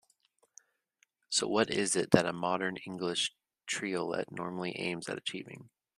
So what is it that a modern English triolet normally aims at achieving?